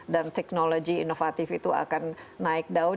dan technology inovatif itu akan naik down